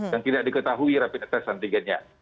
yang tidak diketahui rapid test antigennya